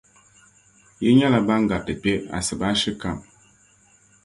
Yi nyɛla ban gariti kpe Asibaasi kam.